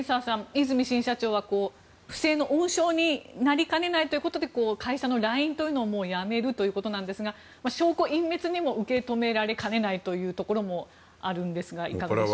和泉新社長は不正の温床になりかねないということで会社のＬＩＮＥというのをやめるということなんですが証拠隠滅にも受け止められかねないところもあるんですがいかがでしょうか。